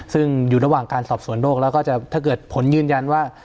ซึ่งอยู่ระหว่างการสอบสวนโรคแล้วก็จะถ้าเกิดผลยืนยันว่า